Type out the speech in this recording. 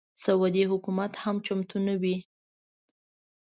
سعودي حکومت هم چمتو نه وي.